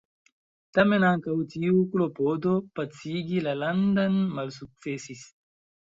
Tamen ankaŭ tiu klopodo pacigi la landon malsukcesis.